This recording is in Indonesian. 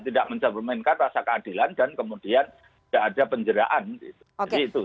tidak mencerminkan rasa keadilan dan kemudian tidak ada penjeraan gitu